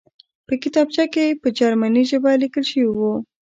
په کتابچه کې په جرمني ژبه لیکل شوي وو